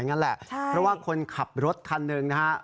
เพราะว่าคนขับรถคันหนึ่งนะครับ